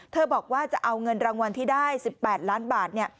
บอกว่าจะเอาเงินรางวัลที่ได้๑๘ล้านบาท